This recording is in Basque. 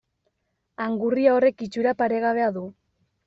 Angurria horrek itxura paregabea du.